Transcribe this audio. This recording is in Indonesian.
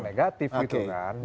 negatif gitu kan